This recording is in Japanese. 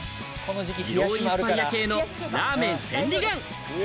二郎インスパイア系のラーメン、千里眼。